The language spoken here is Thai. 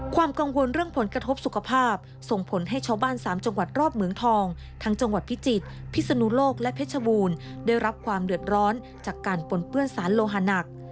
ความกังวลเรื่องผลกระทบสุขภาพส่งผลให้ชาวบ้าน๓จังหวัดรอบเหมืองทองทั้งจังหวัดพิจิตรพิศนุโลกและเพชรบูรณ์ได้รับความเดือดร้อนจากการปนเปื้อนสารโลหานัก